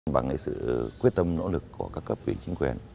bằng sự quyết tâm nỗ lực của các cấp ủy chính quyền